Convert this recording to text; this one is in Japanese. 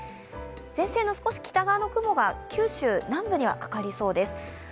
前線の少し北側の雲が九州南部にかかりそうです。